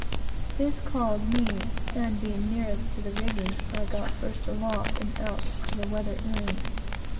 This called me; and being nearest to the rigging, I got first aloft, and out to the weather earing.